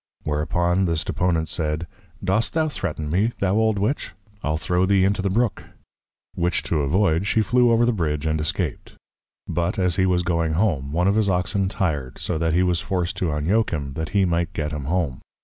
_ Whereupon, this Deponent said, Dost thou threaten me, thou old Witch? I'l throw thee into the Brook: Which to avoid, she flew over the Bridge, and escaped. But, as he was going home, one of his Oxen tired, so that he was forced to Unyoke him, that he might get him home.